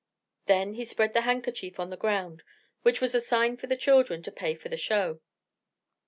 Then he spread the handkerchief on the ground, which was a sign for the children to pay for the show.